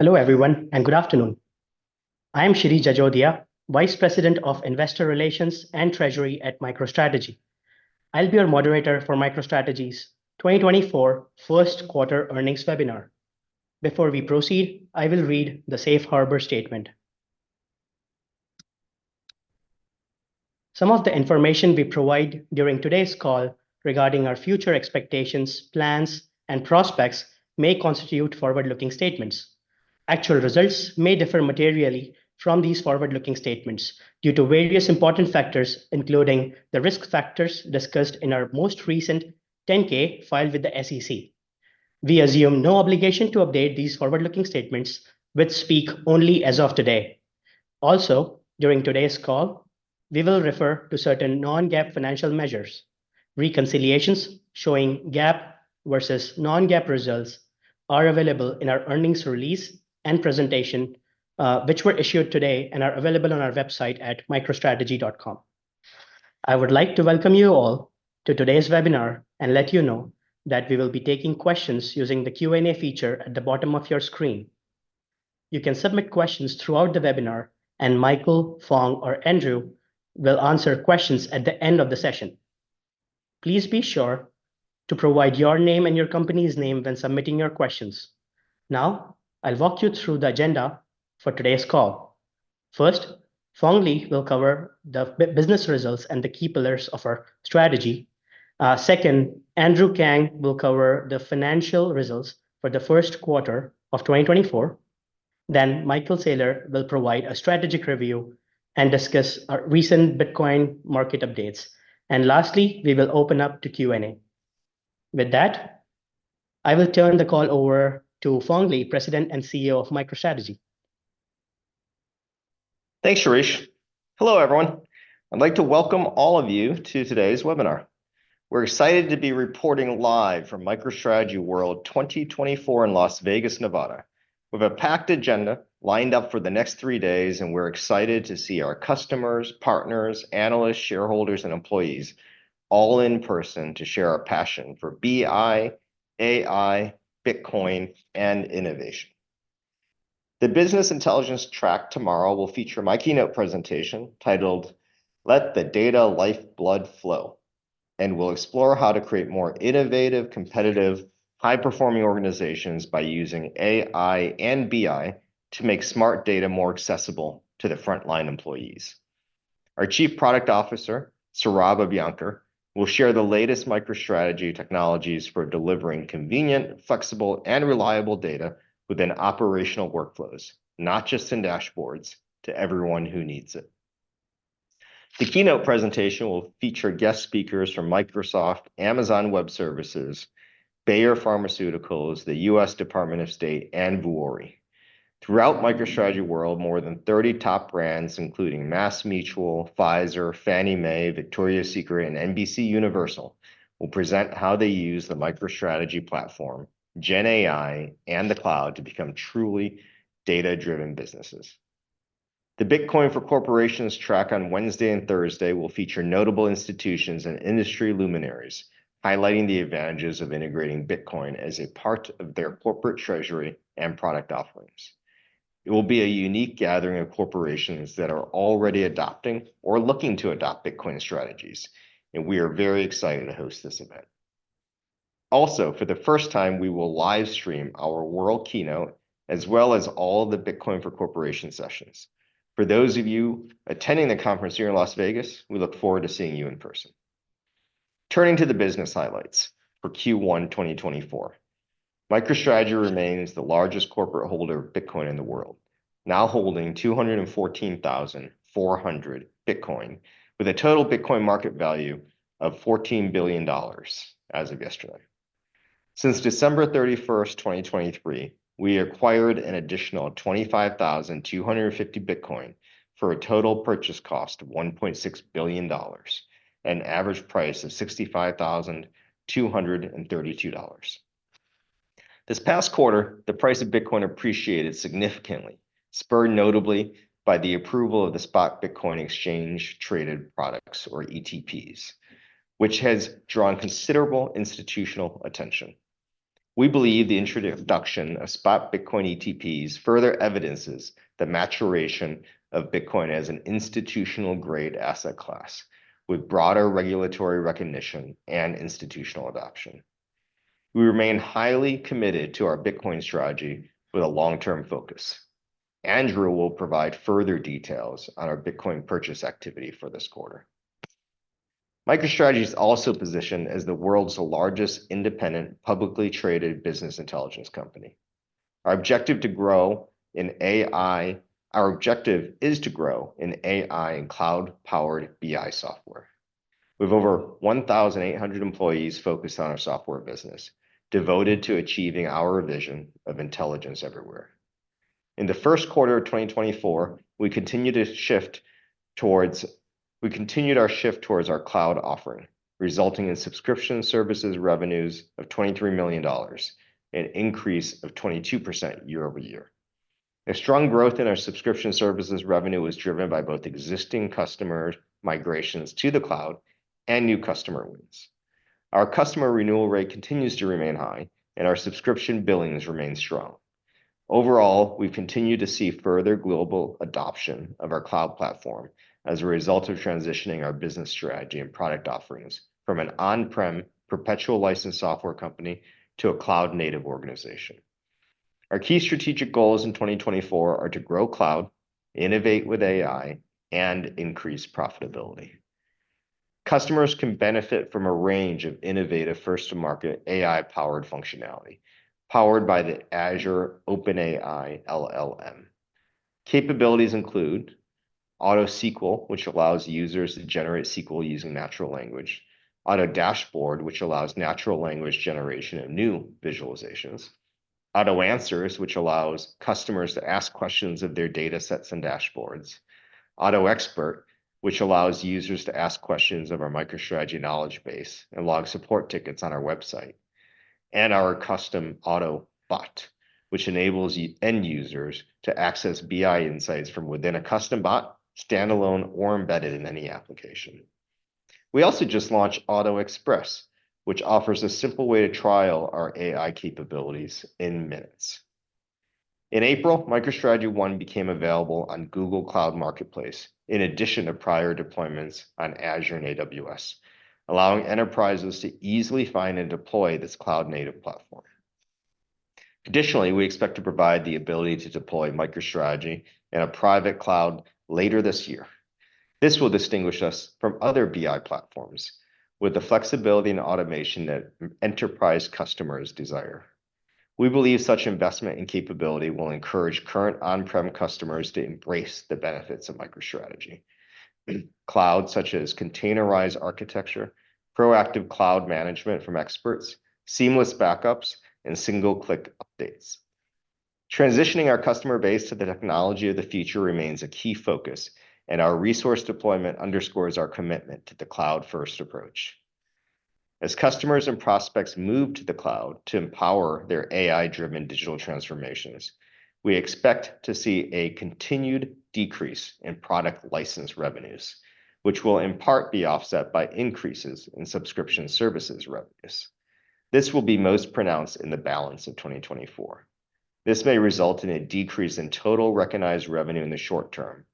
Hello, everyone, and good afternoon. I'm Shirish Jajodia, Vice President of Investor Relations and Treasury at MicroStrategy. I'll be your moderator for MicroStrategy's 2024 first quarter earnings webinar. Before we proceed, I will read the safe harbor statement. Some of the information we provide during today's call regarding our future expectations, plans, and prospects may constitute forward-looking statements. Actual results may differ materially from these forward-looking statements due to various important factors, including the risk factors discussed in our most recent 10-K filed with the SEC. We assume no obligation to update these forward-looking statements, which speak only as of today. Also, during today's call, we will refer to certain non-GAAP financial measures. Reconciliations showing GAAP versus non-GAAP results are available in our earnings release and presentation, which were issued today and are available on our website at microstrategy.com. I would like to welcome you all to today's webinar and let you know that we will be taking questions using the Q&A feature at the bottom of your screen. You can submit questions throughout the webinar, and Michael, Phong, or Andrew will answer questions at the end of the session. Please be sure to provide your name and your company's name when submitting your questions. Now, I'll walk you through the agenda for today's call. First, Phong Le will cover the business results and the key pillars of our strategy. Second, Andrew Kang will cover the financial results for the first quarter of 2024. Then Michael Saylor will provide a strategic review and discuss our recent Bitcoin market updates. And lastly, we will open up to Q&A. With that, I will turn the call over to Phong Le, President and CEO of MicroStrategy. Thanks, Shirish. Hello, everyone. I'd like to welcome all of you to today's webinar. We're excited to be reporting live from MicroStrategy World 2024 in Las Vegas, Nevada. We've a packed agenda lined up for the next three days, and we're excited to see our customers, partners, analysts, shareholders, and employees all in person to share our passion for BI, AI, Bitcoin, and innovation. The business intelligence track tomorrow will feature my keynote presentation titled Let the Data Lifeblood Flow, and we'll explore how to create more innovative, competitive, high-performing organizations by using AI and BI to make smart data more accessible to the frontline employees. Our Chief Product Officer, Saurabh Abhyankar, will share the latest MicroStrategy technologies for delivering convenient, flexible, and reliable data within operational workflows, not just in dashboards, to everyone who needs it. The keynote presentation will feature guest speakers from Microsoft, Amazon Web Services, Bayer Pharmaceuticals, the U.S. Department of State, and Vuori. Throughout MicroStrategy World, more than 30 top brands, including MassMutual, Pfizer, Fannie Mae, Victoria's Secret, and NBC Universal, will present how they use the MicroStrategy platform, Gen AI, and the cloud to become truly data-driven businesses. The Bitcoin for Corporations track on Wednesday and Thursday will feature notable institutions and industry luminaries, highlighting the advantages of integrating Bitcoin as a part of their corporate treasury and product offerings. It will be a unique gathering of corporations that are already adopting or looking to adopt Bitcoin strategies, and we are very excited to host this event. Also, for the first time, we will live stream our world keynote, as well as all the Bitcoin for Corporations sessions. For those of you attending the conference here in Las Vegas, we look forward to seeing you in person. Turning to the business highlights for Q1 2024, MicroStrategy remains the largest corporate holder of Bitcoin in the world, now holding 214,400 Bitcoin, with a total Bitcoin market value of $14 billion as of yesterday. Since December 31st, 2023, we acquired an additional 25,250 Bitcoin, for a total purchase cost of $1.6 billion, an average price of $65,232. This past quarter, the price of Bitcoin appreciated significantly, spurred notably by the approval of the spot Bitcoin exchange traded products, or ETPs, which has drawn considerable institutional attention. We believe the introduction of spot Bitcoin ETPs further evidences the maturation of Bitcoin as an institutional-grade asset class, with broader regulatory recognition and institutional adoption. We remain highly committed to our Bitcoin strategy with a long-term focus. Andrew will provide further details on our Bitcoin purchase activity for this quarter. MicroStrategy is also positioned as the world's largest independent, publicly traded business intelligence company. Our objective to grow in AI-- our objective is to grow in AI and cloud-powered BI software. We have over 1,800 employees focused on our software business, devoted to achieving our vision of intelligence everywhere. In the first quarter of 2024, we continue to shift towards-- we continued our shift towards our cloud offering, resulting in subscription services revenues of $23 million, an increase of 22% year-over-year. A strong growth in our subscription services revenue was driven by both existing customer migrations to the cloud and new customer wins. Our customer renewal rate continues to remain high, and our subscription billings remain strong. Overall, we've continued to see further global adoption of our cloud platform as a result of transitioning our business strategy and product offerings from an on-prem, perpetual license software company to a cloud-native organization. Our key strategic goals in 2024 are to grow cloud, innovate with AI, and increase profitability. Customers can benefit from a range of innovative first-to-market AI-powered functionality, powered by the Azure OpenAI LLM. Capabilities include Auto SQL, which allows users to generate SQL using natural language. Auto Dashboard, which allows natural language generation of new visualizations. Auto Answers, which allows customers to ask questions of their data sets and dashboards. Auto Expert, which allows users to ask questions of our MicroStrategy knowledge base and log support tickets on our website. And our custom Auto Bot, which enables end users to access BI insights from within a custom bot, standalone or embedded in any application. We also just launched Auto Express, which offers a simple way to trial our AI capabilities in minutes. In April, MicroStrategy ONE became available on Google Cloud Marketplace, in addition to prior deployments on Azure and AWS, allowing enterprises to easily find and deploy this cloud-native platform. Additionally, we expect to provide the ability to deploy MicroStrategy in a private cloud later this year. This will distinguish us from other BI platforms with the flexibility and automation that enterprise customers desire. We believe such investment and capability will encourage current on-prem customers to embrace the benefits of MicroStrategy cloud, such as containerized architecture, proactive cloud management from experts, seamless backups, and single-click updates. Transitioning our customer base to the technology of the future remains a key focus, and our resource deployment underscores our commitment to the cloud-first approach. As customers and prospects move to the cloud to empower their AI-driven digital transformations, we expect to see a continued decrease in product license revenues, which will in part be offset by increases in subscription services revenues. This will be most pronounced in the balance of 2024. This may result in a decrease in total recognized revenue in the short term,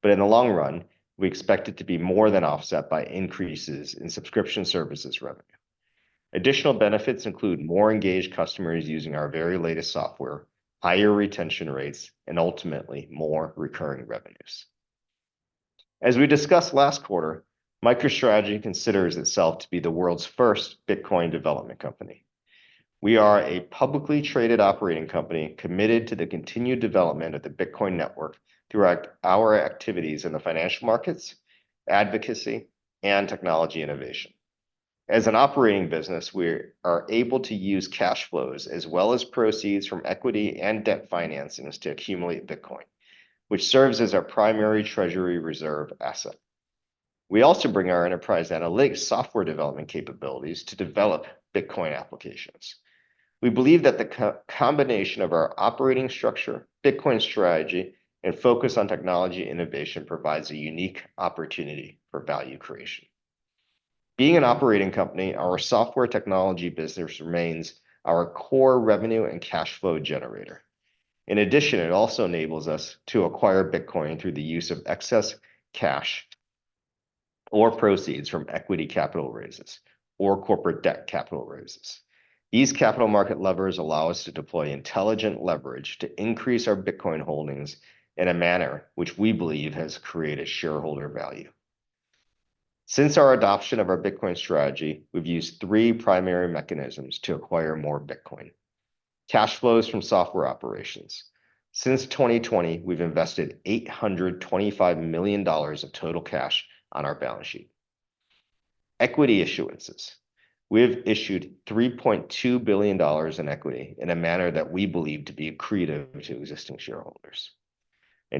but in the long run, we expect it to be more than offset by increases in subscription services revenue. Additional benefits include more engaged customers using our very latest software, higher retention rates, and ultimately, more recurring revenues. As we discussed last quarter, MicroStrategy considers itself to be the world's first Bitcoin Development Company. We are a publicly traded operating company committed to the continued development of the Bitcoin network through our activities in the financial markets, advocacy, and technology innovation. As an operating business, we're able to use cash flows as well as proceeds from equity and debt financings to accumulate Bitcoin, which serves as our primary treasury reserve asset. We also bring our enterprise analytics software development capabilities to develop Bitcoin applications. We believe that the combination of our operating structure, Bitcoin strategy, and focus on technology innovation provides a unique opportunity for value creation. Being an operating company, our software technology business remains our core revenue and cash flow generator. In addition, it also enables us to acquire Bitcoin through the use of excess cash or proceeds from equity capital raises or corporate debt capital raises. These capital market levers allow us to deploy intelligent leverage to increase our Bitcoin holdings in a manner which we believe has created shareholder value. Since our adoption of our Bitcoin strategy, we've used three primary mechanisms to acquire more Bitcoin. Cash flows from software operations. Since 2020, we've invested $825 million of total cash on our balance sheet. Equity issuances. We've issued $3.2 billion in equity in a manner that we believe to be accretive to existing shareholders.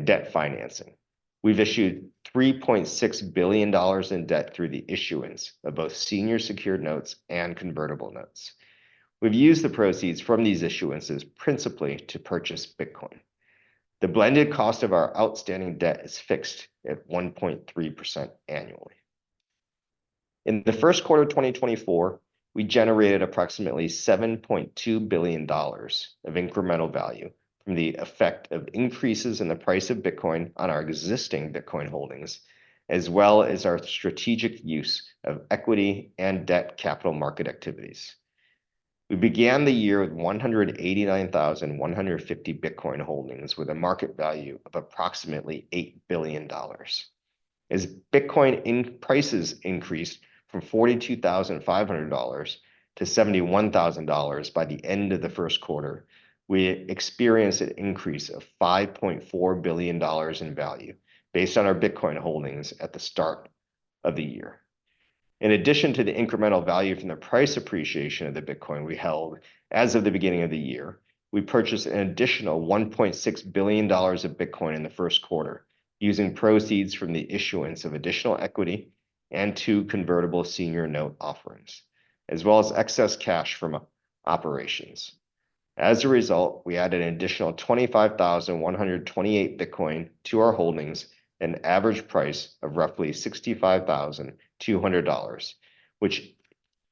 Debt financing. We've issued $3.6 billion in debt through the issuance of both senior secured notes and convertible notes. We've used the proceeds from these issuances principally to purchase Bitcoin. The blended cost of our outstanding debt is fixed at 1.3% annually. In the first quarter of 2024, we generated approximately $7.2 billion of incremental value from the effect of increases in the price of Bitcoin on our existing Bitcoin holdings, as well as our strategic use of equity and debt capital market activities. We began the year with 189,150 Bitcoin holdings, with a market value of approximately $8 billion. As Bitcoin prices increased from $42,500 to $71,000 by the end of the first quarter, we experienced an increase of $5.4 billion in value based on our Bitcoin holdings at the start of the year. In addition to the incremental value from the price appreciation of the Bitcoin we held, as of the beginning of the year, we purchased an additional $1.6 billion of Bitcoin in the first quarter, using proceeds from the issuance of additional equity and two convertible senior note offerings, as well as excess cash from operations. As a result, we added an additional 25,128 Bitcoin to our holdings at an average price of roughly $65,200, which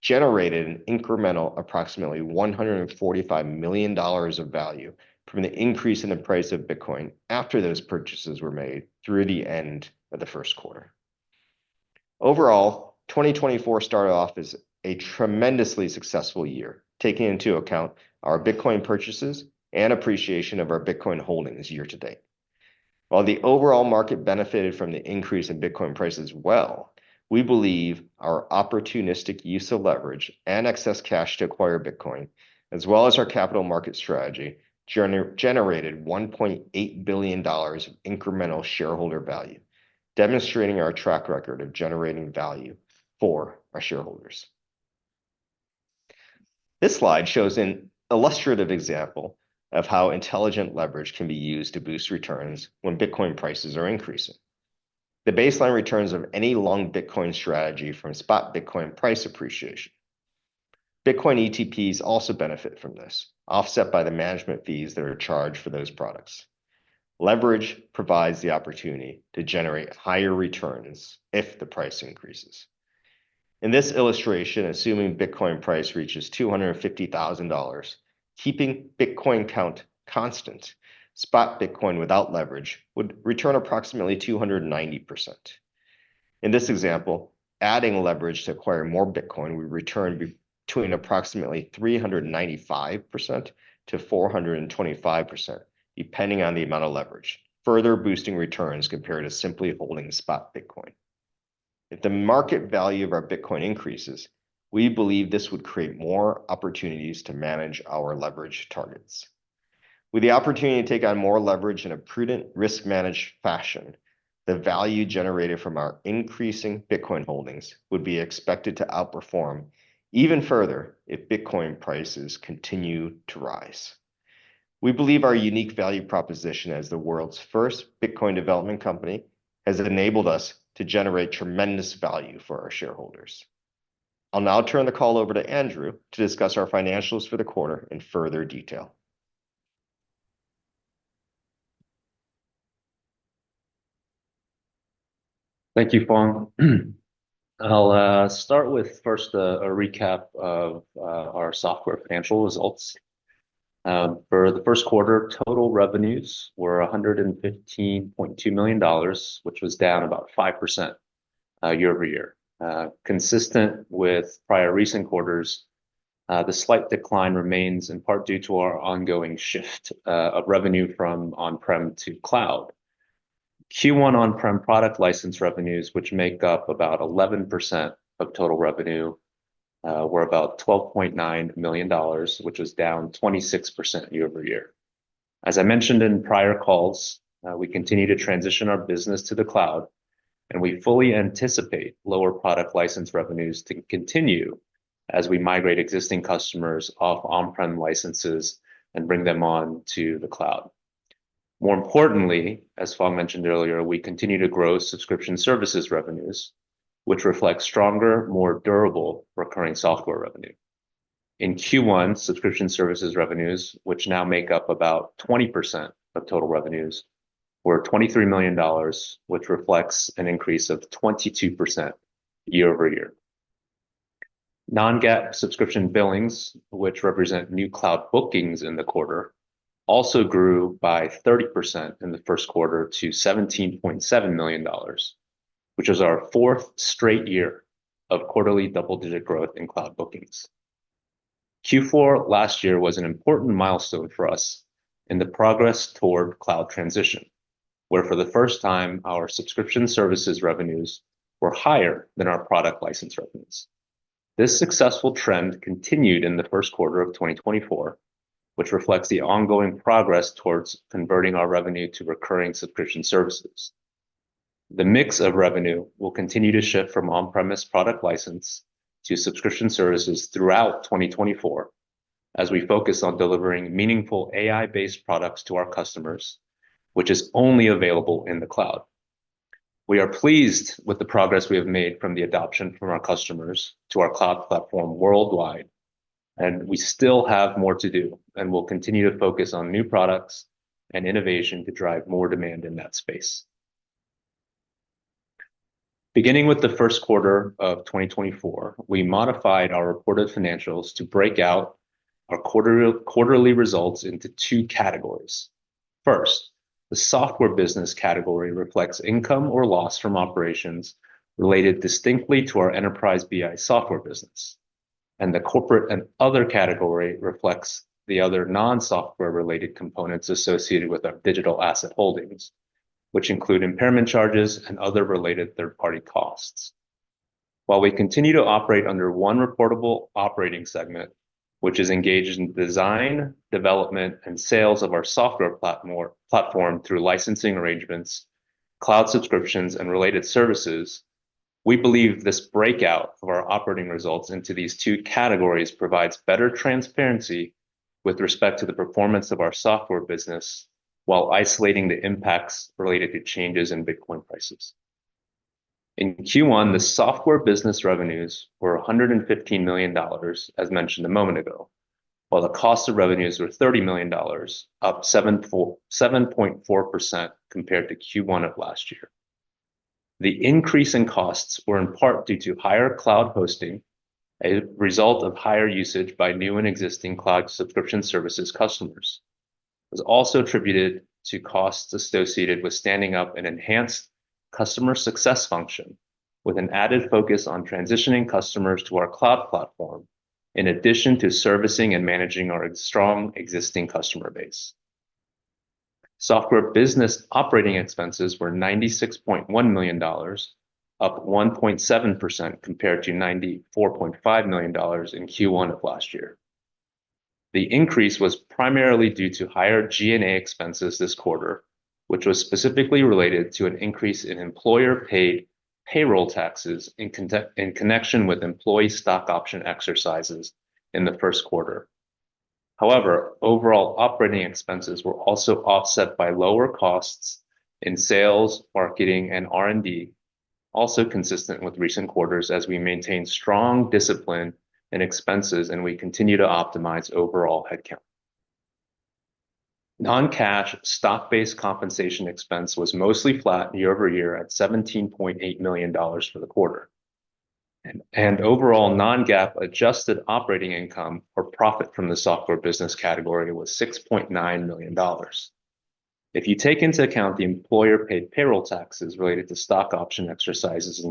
generated an incremental approximately $145 million of value from the increase in the price of Bitcoin after those purchases were made through the end of the first quarter. Overall, 2024 started off as a tremendously successful year, taking into account our Bitcoin purchases and appreciation of our Bitcoin holdings year to date. While the overall market benefited from the increase in Bitcoin price as well, we believe our opportunistic use of leverage and excess cash to acquire Bitcoin, as well as our capital market strategy, generated $1.8 billion of incremental shareholder value, demonstrating our track record of generating value for our shareholders. This slide shows an illustrative example of how intelligent leverage can be used to boost returns when Bitcoin prices are increasing. The baseline returns of any long Bitcoin strategy from spot Bitcoin price appreciation. Bitcoin ETPs also benefit from this, offset by the management fees that are charged for those products. Leverage provides the opportunity to generate higher returns if the price increases. In this illustration, assuming Bitcoin price reaches $250,000, keeping Bitcoin count constant, spot Bitcoin without leverage would return approximately 290%. In this example, adding leverage to acquire more Bitcoin would return between approximately 395%-425%, depending on the amount of leverage, further boosting returns compared to simply holding spot Bitcoin. If the market value of our Bitcoin increases, we believe this would create more opportunities to manage our leverage targets. With the opportunity to take on more leverage in a prudent, risk-managed fashion, the value generated from our increasing Bitcoin holdings would be expected to outperform even further if Bitcoin prices continue to rise. We believe our unique value proposition as the world's first Bitcoin Development Company has enabled us to generate tremendous value for our shareholders. I'll now turn the call over to Andrew to discuss our financials for the quarter in further detail. Thank you, Phong. I'll start with first, a recap of our software financial results. For the first quarter, total revenues were $115.2 million, which was down about 5% year-over-year. Consistent with prior recent quarters, the slight decline remains in part due to our ongoing shift of revenue from on-prem to cloud. Q1 on-prem product license revenues, which make up about 11% of total revenue, were about $12.9 million, which is down 26% year-over-year. As I mentioned in prior calls, we continue to transition our business to the cloud, and we fully anticipate lower product license revenues to continue as we migrate existing customers off on-prem licenses and bring them on to the cloud. More importantly, as Phong mentioned earlier, we continue to grow subscription services revenues, which reflect stronger, more durable recurring software revenue. In Q1, subscription services revenues, which now make up about 20% of total revenues, were $23 million, which reflects an increase of 22% year-over-year. Non-GAAP subscription billings, which represent new cloud bookings in the quarter, also grew by 30% in the first quarter to $17.7 million, which is our fourth straight year of quarterly double-digit growth in cloud bookings. Q4 last year was an important milestone for us in the progress toward cloud transition, where for the first time, our subscription services revenues were higher than our product license revenues. This successful trend continued in the first quarter of 2024, which reflects the ongoing progress towards converting our revenue to recurring subscription services. The mix of revenue will continue to shift from on-premise product license to subscription services throughout 2024, as we focus on delivering meaningful AI-based products to our customers, which is only available in the cloud. We are pleased with the progress we have made from the adoption from our customers to our cloud platform worldwide, and we still have more to do, and we'll continue to focus on new products and innovation to drive more demand in that space. Beginning with the first quarter of 2024, we modified our reported financials to break out our quarterly results into two categories. First, the software business category reflects income or loss from operations related distinctly to our enterprise BI software business. The corporate and other category reflects the other non-software-related components associated with our digital asset holdings, which include impairment charges and other related third-party costs. While we continue to operate under one reportable operating segment, which is engaged in design, development, and sales of our software platform through licensing arrangements, cloud subscriptions, and related services, we believe this breakout of our operating results into these two categories provides better transparency with respect to the performance of our software business, while isolating the impacts related to changes in Bitcoin prices. In Q1, the software business revenues were $115 million, as mentioned a moment ago, while the cost of revenues were $30 million, up 7.4% compared to Q1 of last year. The increase in costs were in part due to higher cloud hosting, a result of higher usage by new and existing cloud subscription services customers. It was also attributed to costs associated with standing up an enhanced customer success function, with an added focus on transitioning customers to our cloud platform, in addition to servicing and managing our strong existing customer base. Software business operating expenses were $96.1 million, up 1.7% compared to $94.5 million in Q1 of last year. The increase was primarily due to higher G&A expenses this quarter, which was specifically related to an increase in employer-paid payroll taxes in connection with employee stock option exercises in the first quarter. However, overall operating expenses were also offset by lower costs in sales, marketing, and R&D, also consistent with recent quarters as we maintain strong discipline in expenses, and we continue to optimize overall headcount. Non-cash stock-based compensation expense was mostly flat year-over-year, at $17.8 million for the quarter. Overall, non-GAAP adjusted operating income or profit from the software business category was $6.9 million. If you take into account the employer-paid payroll taxes related to stock option exercises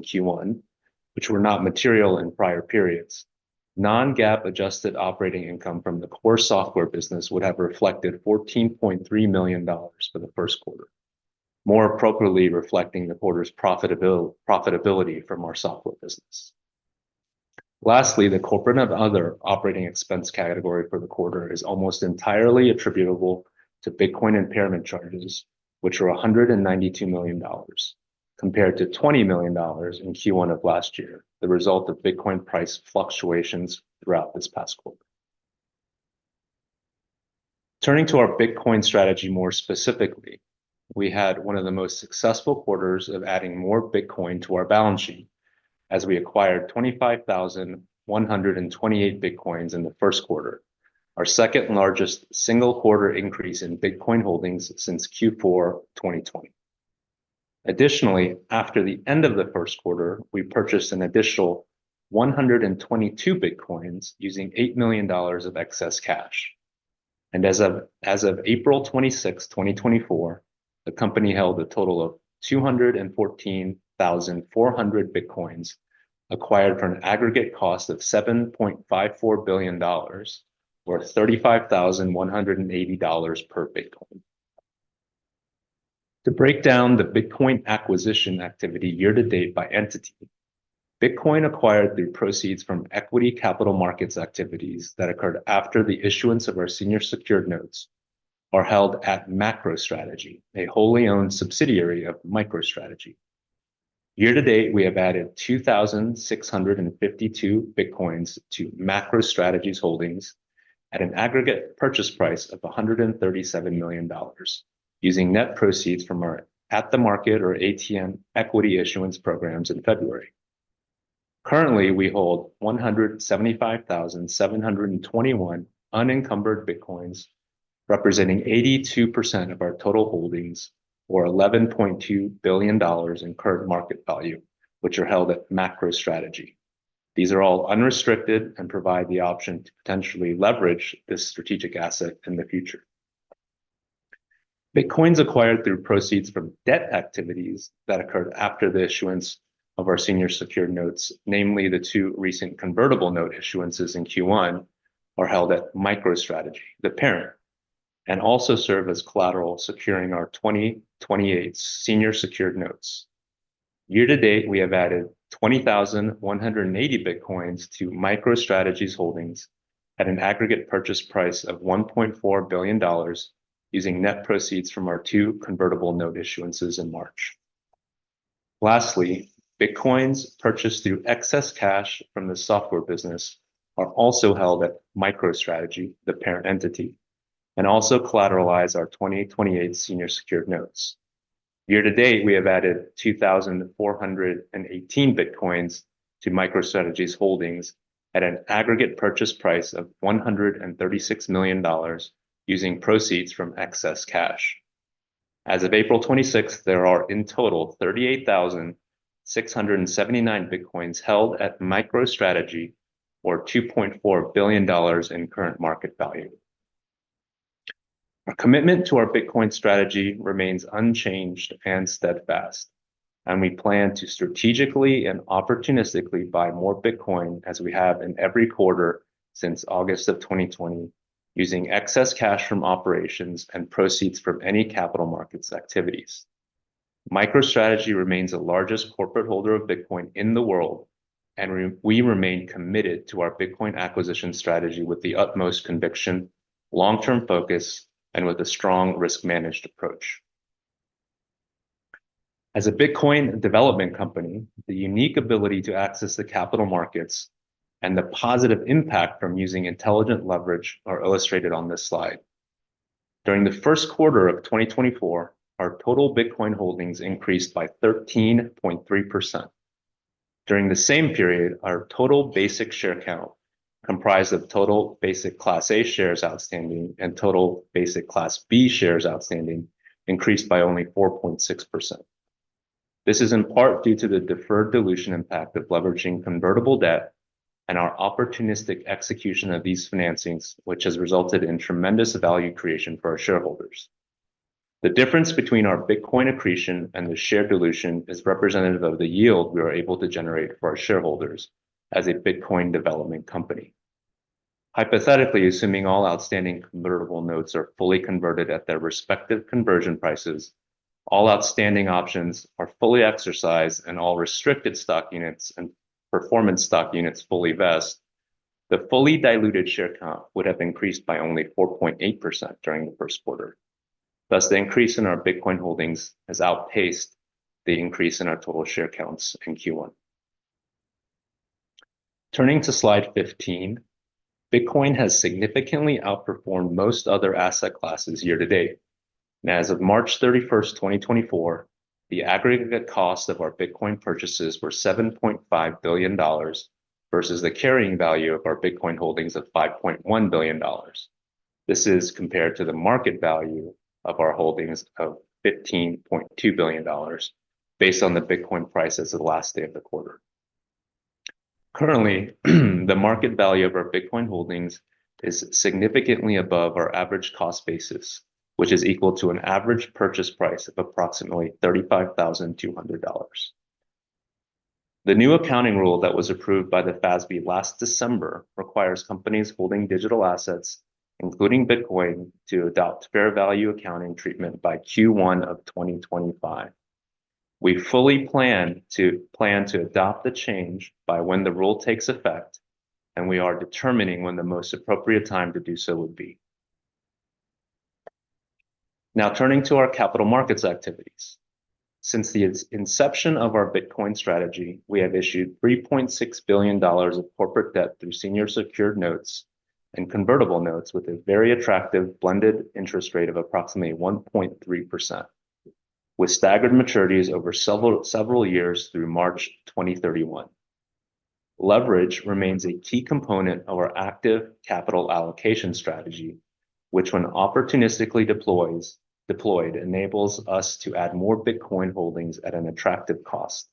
in Q1, which were not material in prior periods, non-GAAP adjusted operating income from the core software business would have reflected $14.3 million for the first quarter, more appropriately reflecting the quarter's profitability from our software business. Lastly, the corporate and other operating expense category for the quarter is almost entirely attributable to Bitcoin impairment charges, which were $192 million, compared to $20 million in Q1 of last year, the result of Bitcoin price fluctuations throughout this past quarter. Turning to our Bitcoin strategy more specifically, we had one of the most successful quarters of adding more Bitcoin to our balance sheet, as we acquired 25,128 Bitcoins in the first quarter, our second-largest single quarter increase in Bitcoin holdings since Q4 2020. Additionally, after the end of the first quarter, we purchased an additional 122 Bitcoins using $8 million of excess cash. As of April 26, 2024, the company held a total of 214,400 Bitcoins, acquired for an aggregate cost of $7.54 billion, or $35,180 per Bitcoin. To break down the Bitcoin acquisition activity year to date by entity, Bitcoin acquired through proceeds from equity capital markets activities that occurred after the issuance of our senior secured notes are held at MacroStrategy, a wholly owned subsidiary of MicroStrategy. Year to date, we have added 2,652 Bitcoins to MacroStrategy's holdings at an aggregate purchase price of $137 million, using net proceeds from our at-the-market or ATM equity issuance programs in February. Currently, we hold 175,721 unencumbered Bitcoins, representing 82% of our total holdings, or $11.2 billion in current market value, which are held at MacroStrategy. These are all unrestricted and provide the option to potentially leverage this strategic asset in the future. Bitcoins acquired through proceeds from debt activities that occurred after the issuance of our senior secured notes, namely the two recent convertible note issuances in Q1, are held at MicroStrategy, the parent, and also serve as collateral, securing our 2028 senior secured notes. Year to date, we have added 20,180 Bitcoins to MicroStrategy's holdings at an aggregate purchase price of $1.4 billion, using net proceeds from our two convertible note issuances in March. Lastly, Bitcoins purchased through excess cash from the software business are also held at MicroStrategy, the parent entity, and also collateralize our 2028 senior secured notes. Year to date, we have added 2,418 Bitcoins to MicroStrategy's holdings at an aggregate purchase price of $136 million, using proceeds from excess cash. As of April 26th, there are in total 38,679 Bitcoins held at MicroStrategy, or $2.4 billion in current market value. Our commitment to our Bitcoin strategy remains unchanged and steadfast, and we plan to strategically and opportunistically buy more Bitcoin, as we have in every quarter since August of 2020, using excess cash from operations and proceeds from any capital markets activities. MicroStrategy remains the largest corporate holder of Bitcoin in the world, and we remain committed to our Bitcoin acquisition strategy with the utmost conviction, long-term focus, and with a strong risk-managed approach. As a Bitcoin Development Company, the unique ability to access the capital markets and the positive impact from using intelligent leverage are illustrated on this slide. During the first quarter of 2024, our total Bitcoin holdings increased by 13.3%. During the same period, our total basic share count, comprised of total basic Class A shares outstanding and total basic Class B shares outstanding, increased by only 4.6%. This is in part due to the deferred dilution impact of leveraging convertible debt and our opportunistic execution of these financings, which has resulted in tremendous value creation for our shareholders. The difference between our Bitcoin accretion and the share dilution is representative of the yield we are able to generate for our shareholders as a Bitcoin Development Company. Hypothetically, assuming all outstanding convertible notes are fully converted at their respective conversion prices, all outstanding options are fully exercised, and all restricted stock units and performance stock units fully vest, the fully diluted share count would have increased by only 4.8% during the first quarter. Thus, the increase in our Bitcoin holdings has outpaced the increase in our total share counts in Q1. Turning to slide 15, Bitcoin has significantly outperformed most other asset classes year to date. As of March 31st, 2024, the aggregate cost of our Bitcoin purchases were $7.5 billion, versus the carrying value of our Bitcoin holdings of $5.1 billion. This is compared to the market value of our holdings of $15.2 billion, based on the Bitcoin price as of the last day of the quarter. Currently, the market value of our Bitcoin holdings is significantly above our average cost basis, which is equal to an average purchase price of approximately $35,200. The new accounting rule that was approved by the FASB last December requires companies holding digital assets, including Bitcoin, to adopt fair value accounting treatment by Q1 of 2025. We fully plan to, plan to adopt the change by when the rule takes effect, and we are determining when the most appropriate time to do so would be. Now, turning to our capital markets activities. Since the inception of our Bitcoin strategy, we have issued $3.6 billion of corporate debt through senior secured notes and convertible notes with a very attractive blended interest rate of approximately 1.3%, with staggered maturities over several, several years through March 2031. Leverage remains a key component of our active capital allocation strategy, which, when opportunistically deploys-- deployed, enables us to add more Bitcoin holdings at an attractive cost.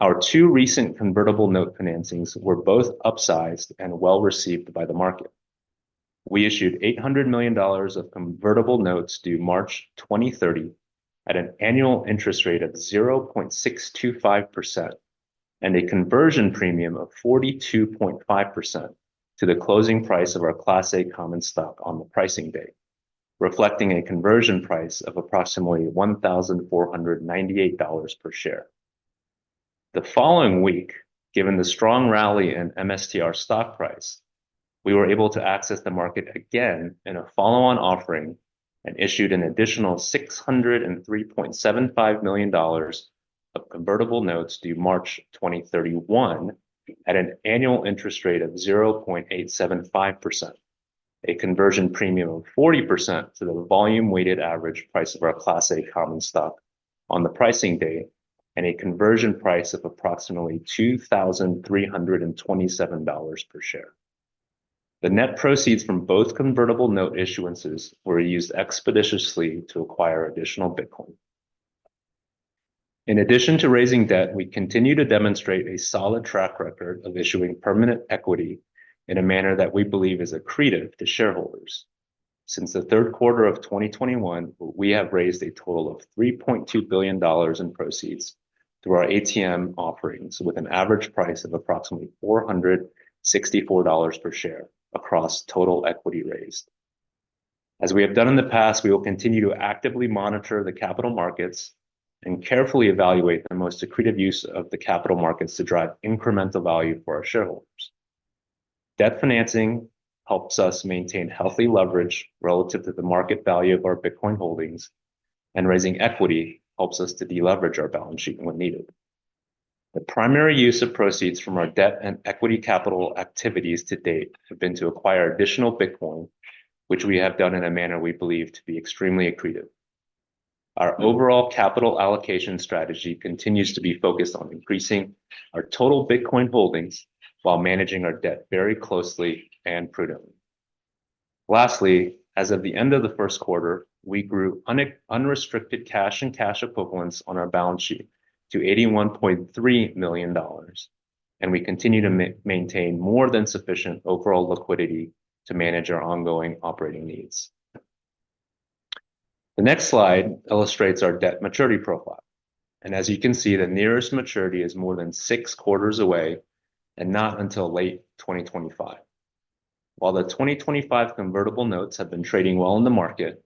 Our two recent convertible note financings were both upsized and well-received by the market. We issued $800 million of convertible notes due March 2030, at an annual interest rate of 0.625% and a conversion premium of 42.5% to the closing price of our Class A common stock on the pricing day, reflecting a conversion price of approximately $1,498 per share. The following week, given the strong rally in MSTR stock price, we were able to access the market again in a follow-on offering and issued an additional $603.75 million of convertible notes due March 2031, at an annual interest rate of 0.875%, a conversion premium of 40% to the volume weighted average price of our Class A common stock on the pricing day, and a conversion price of approximately $2,327 per share. The net proceeds from both convertible note issuances were used expeditiously to acquire additional Bitcoin. In addition to raising debt, we continue to demonstrate a solid track record of issuing permanent equity in a manner that we believe is accretive to shareholders. Since the third quarter of 2021, we have raised a total of $3.2 billion in proceeds through our ATM offerings, with an average price of approximately $464 per share across total equity raised. As we have done in the past, we will continue to actively monitor the capital markets and carefully evaluate the most accretive use of the capital markets to drive incremental value for our shareholders. Debt financing helps us maintain healthy leverage relative to the market value of our Bitcoin holdings, and raising equity helps us to deleverage our balance sheet when needed. The primary use of proceeds from our debt and equity capital activities to date have been to acquire additional Bitcoin, which we have done in a manner we believe to be extremely accretive. Our overall capital allocation strategy continues to be focused on increasing our total Bitcoin holdings while managing our debt very closely and prudently. Lastly, as of the end of the first quarter, we grew unrestricted cash and cash equivalents on our balance sheet to $81.3 million, and we continue to maintain more than sufficient overall liquidity to manage our ongoing operating needs. The next slide illustrates our debt maturity profile, and as you can see, the nearest maturity is more than six quarters away and not until late 2025. While the 2025 convertible notes have been trading well in the market,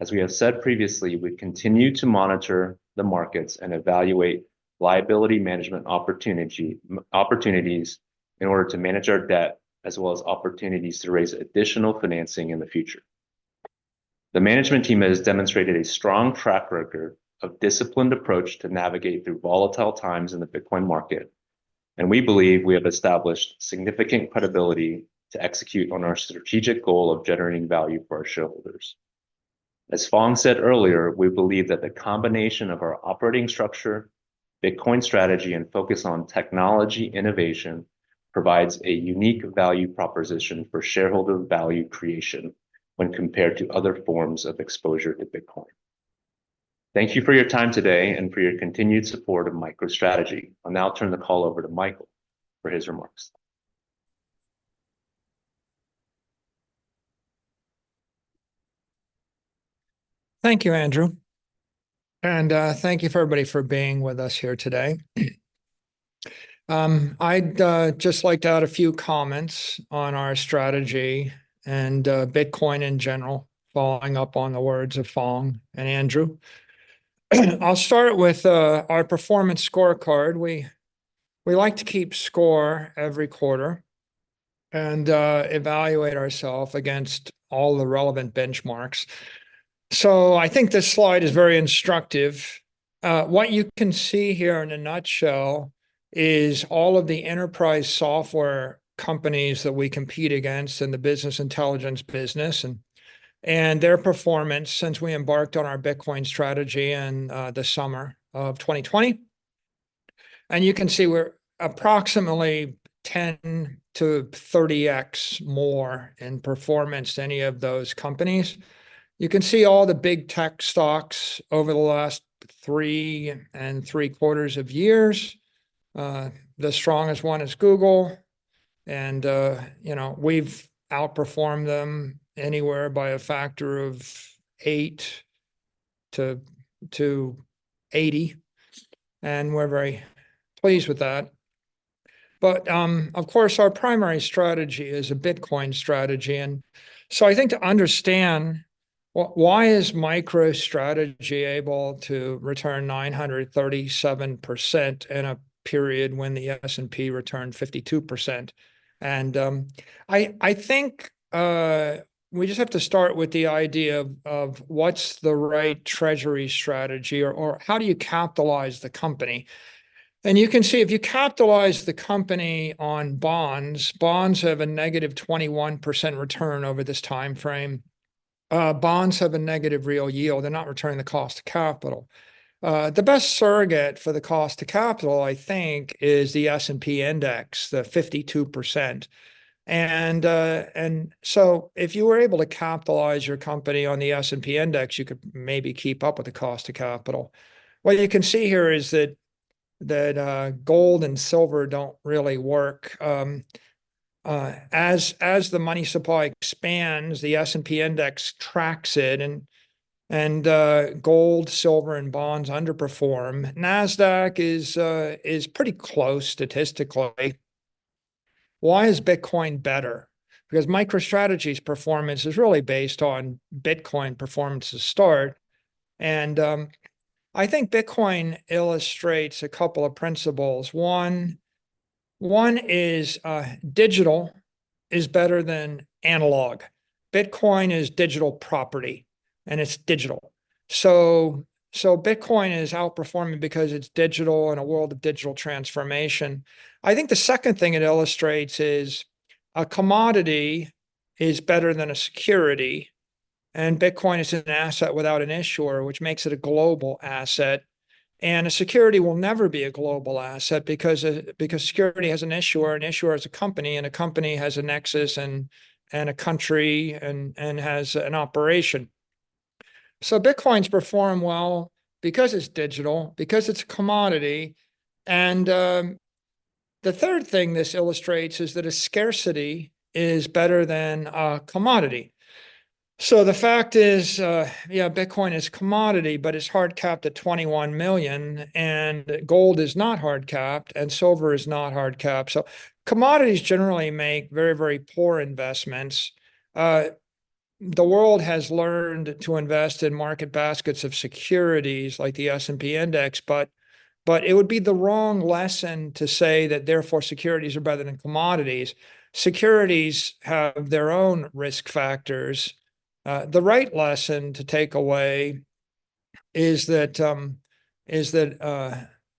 as we have said previously, we continue to monitor the markets and evaluate liability management opportunities in order to manage our debt, as well as opportunities to raise additional financing in the future. The management team has demonstrated a strong track record of disciplined approach to navigate through volatile times in the Bitcoin market... and we believe we have established significant credibility to execute on our strategic goal of generating value for our shareholders. As Phong said earlier, we believe that the combination of our operating structure, Bitcoin strategy, and focus on technology innovation provides a unique value proposition for shareholder value creation when compared to other forms of exposure to Bitcoin. Thank you for your time today and for your continued support of MicroStrategy. I'll now turn the call over to Michael for his remarks. Thank you, Andrew, and thank you for everybody for being with us here today. I'd just like to add a few comments on our strategy and Bitcoin in general, following up on the words of Phong and Andrew. I'll start with our performance scorecard. We like to keep score every quarter and evaluate ourself against all the relevant benchmarks. So I think this slide is very instructive. What you can see here in a nutshell is all of the enterprise software companies that we compete against in the business intelligence business and their performance since we embarked on our Bitcoin strategy in the summer of 2020. You can see we're approximately 10 to 30x more in performance to any of those companies. You can see all the big tech stocks over the last three and 3/4 years. The strongest one is Google, and, you know, we've outperformed them anywhere by a factor of eight to 80, and we're very pleased with that. But, of course, our primary strategy is a Bitcoin strategy, and so I think to understand why is MicroStrategy able to return 937% in a period when the S&P returned 52%? And, I think, we just have to start with the idea of, what's the right treasury strategy, or, how do you capitalize the company? And you can see, if you capitalize the company on bonds, bonds have a negative 21% return over this time frame. Bonds have a negative real yield. They're not returning the cost of capital. The best surrogate for the cost to capital, I think, is the S&P index, the 52%. And so if you were able to capitalize your company on the S&P index, you could maybe keep up with the cost of capital. What you can see here is that gold and silver don't really work. As the money supply expands, the S&P index tracks it, and gold, silver, and bonds underperform. Nasdaq is pretty close statistically. Why is Bitcoin better? Because MicroStrategy's performance is really based on Bitcoin performance to start. And I think Bitcoin illustrates a couple of principles. One is digital is better than analog. Bitcoin is digital property, and it's digital. So Bitcoin is outperforming because it's digital in a world of digital transformation. I think the second thing it illustrates is a commodity is better than a security, and Bitcoin is an asset without an issuer, which makes it a global asset. And a security will never be a global asset because a, because security has an issuer, an issuer is a company, and a company has a nexus and, and a country and, and has an operation. So Bitcoins perform well because it's digital, because it's a commodity, and the third thing this illustrates is that a scarcity is better than a commodity. So the fact is, yeah, Bitcoin is commodity, but it's hard-capped at 21 million, and gold is not hard-capped, and silver is not hard-capped. So commodities generally make very, very poor investments. The world has learned to invest in market baskets of securities like the S&P index, but, but it would be the wrong lesson to say that therefore securities are better than commodities. Securities have their own risk factors. The right lesson to take away is that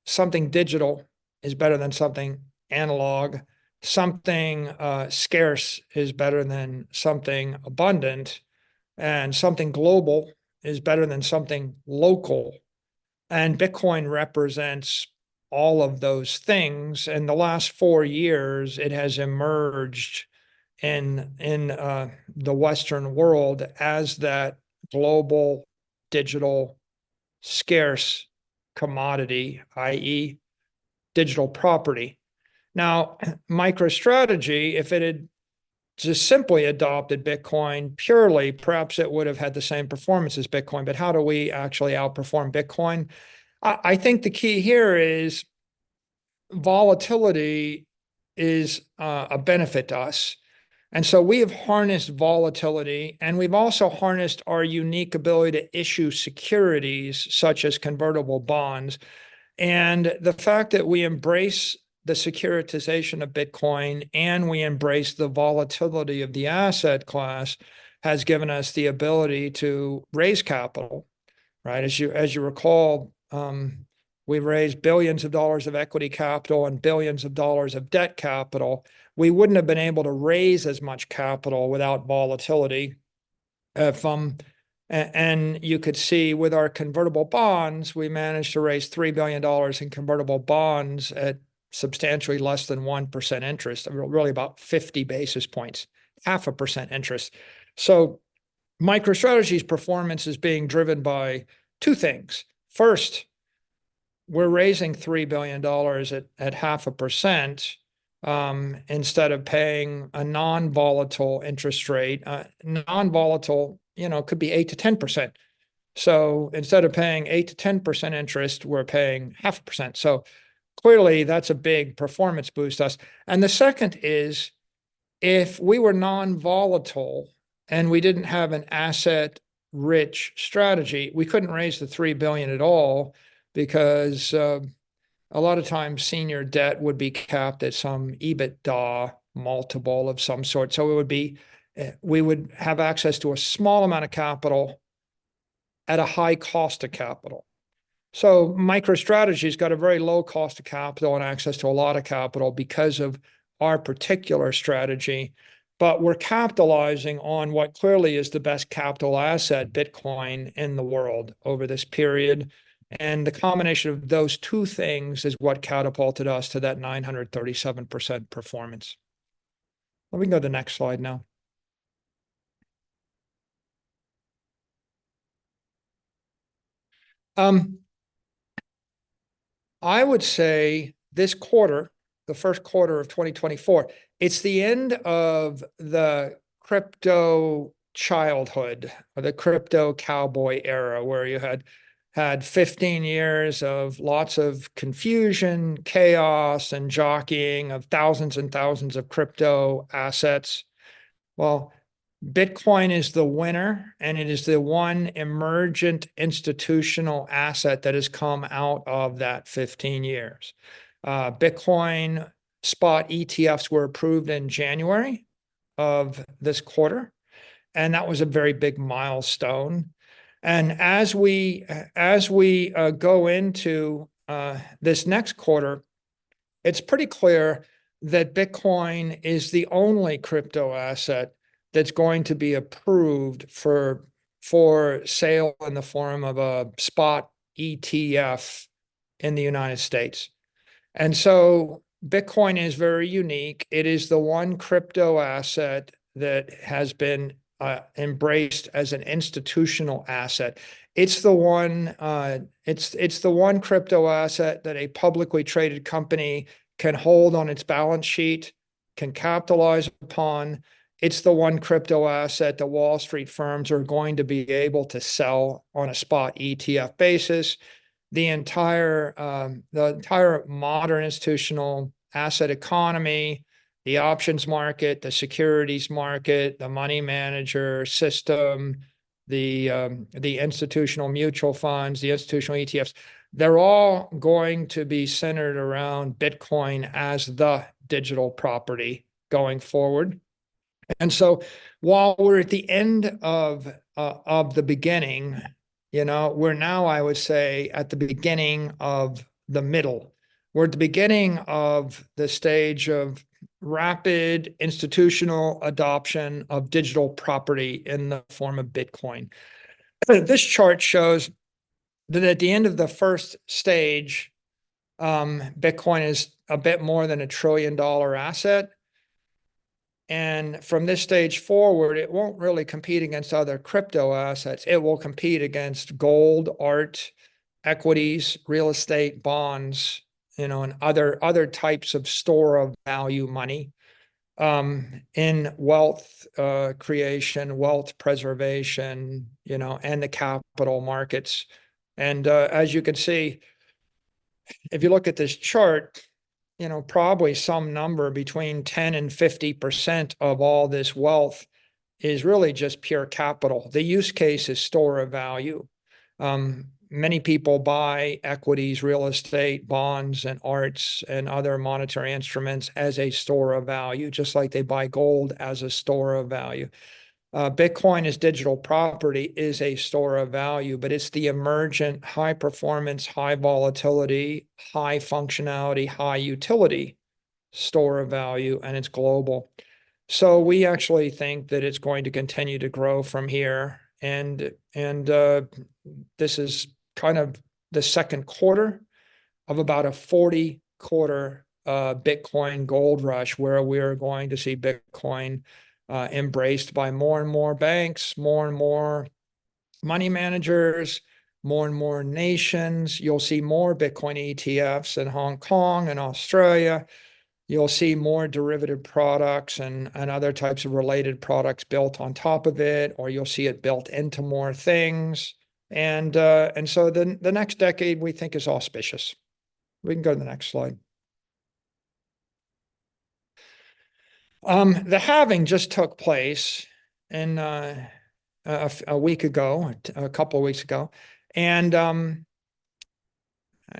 something digital is better than something analog, something scarce is better than something abundant, and something global is better than something local. And Bitcoin represents all of those things, and the last four years, it has emerged in the Western world as that global, digital, scarce commodity, i.e., digital property. Now, MicroStrategy, if it had just simply adopted Bitcoin purely, perhaps it would have had the same performance as Bitcoin. But how do we actually outperform Bitcoin? I think the key here is volatility is a benefit to us, and so we have harnessed volatility, and we've also harnessed our unique ability to issue securities such as convertible bonds. And the fact that we embrace the securitization of Bitcoin and we embrace the volatility of the asset class has given us the ability to raise capital. Right, as you recall, we've raised billions of dollars of equity capital and billions of dollars of debt capital. We wouldn't have been able to raise as much capital without volatility, and you could see with our convertible bonds, we managed to raise $3 billion in convertible bonds at substantially less than 1% interest, really about 50 basis points, 0.5% interest. So MicroStrategy's performance is being driven by two things. First, we're raising $3 billion at 0.5%, instead of paying a non-volatile interest rate. Non-volatile, you know, could be 8%-10%. So instead of paying 8%-10% interest, we're paying 0.5%. So clearly, that's a big performance boost to us. And the second is, if we were non-volatile and we didn't have an asset-rich strategy, we couldn't raise the $3 billion at all because a lot of times, senior debt would be capped at some EBITDA multiple of some sort. So it would be, we would have access to a small amount of capital at a high cost of capital. So MicroStrategy's got a very low cost of capital and access to a lot of capital because of our particular strategy, but we're capitalizing on what clearly is the best capital asset, Bitcoin, in the world over this period. And the combination of those two things is what catapulted us to that 937% performance. Well, we can go to the next slide now. I would say this quarter, the first quarter of 2024, it's the end of the crypto childhood or the crypto cowboy era, where you had had 15 years of lots of confusion, chaos, and jockeying of thousands and thousands of crypto assets. Well, Bitcoin is the winner, and it is the one emergent institutional asset that has come out of that 15 years. Bitcoin spot ETFs were approved in January of this quarter, and that was a very big milestone. As we go into this next quarter, it's pretty clear that Bitcoin is the only crypto asset that's going to be approved for sale in the form of a spot ETF in the United States. And so Bitcoin is very unique. It is the one crypto asset that has been embraced as an institutional asset. It's the one crypto asset that a publicly traded company can hold on its balance sheet, can capitalize upon. It's the one crypto asset the Wall Street firms are going to be able to sell on a spot ETF basis. The entire modern institutional asset economy, the options market, the securities market, the money manager system, the institutional mutual funds, the institutional ETFs, they're all going to be centered around Bitcoin as the digital property going forward. So while we're at the end of, of the beginning, you know, we're now, I would say, at the beginning of the middle. We're at the beginning of the stage of rapid institutional adoption of digital property in the form of Bitcoin. This chart shows that at the end of the first stage, Bitcoin is a bit more than a trillion-dollar asset, and from this stage forward, it won't really compete against other crypto assets. It will compete against gold, art, equities, real estate, bonds, you know, and other, other types of store of value money, in wealth creation, wealth preservation, you know, and the capital markets. And, as you can see, if you look at this chart, you know, probably some number between 10%-50% of all this wealth is really just pure capital. The use case is store of value. Many people buy equities, real estate, bonds, and arts, and other monetary instruments as a store of value, just like they buy gold as a store of value. Bitcoin as digital property is a store of value, but it's the emergent, high performance, high volatility, high functionality, high utility store of value, and it's global. So we actually think that it's going to continue to grow from here. This is kind of the second quarter of about a 40-quarter Bitcoin gold rush, where we're going to see Bitcoin embraced by more and more banks, more and more money managers, more and more nations. You'll see more Bitcoin ETFs in Hong Kong and Australia. You'll see more derivative products and other types of related products built on top of it, or you'll see it built into more things. The next decade, we think, is auspicious. We can go to the next slide. The halving just took place a week ago, a couple of weeks ago, and